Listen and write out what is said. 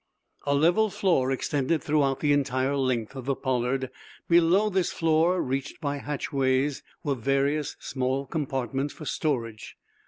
A level floor extended throughout the entire length of the "Pollard." Below this floor, reached by hatchways, were various small compartments for storage.